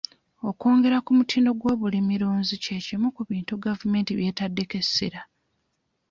Okwongela ku mutindo gw'ebyobulimirunzi ky'ekimu ku bintu gavumenti by'etaddeko essira.